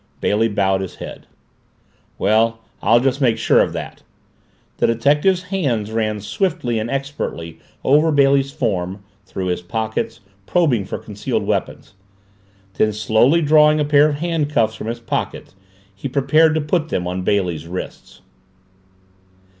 Bailey bowed his head. "Well, I'll just make sure of that." The detective's hands ran swiftly and expertly over Bailey's form, through his pockets, probing for concealed weapons. Then, slowly drawing a pair of handcuffs from his pocket, he prepared to put them on Bailey's wrists.